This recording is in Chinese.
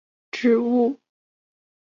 浅裂翠雀花为毛茛科翠雀属的植物。